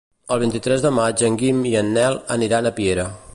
El vint-i-tres de maig en Guim i en Nel aniran a Piera.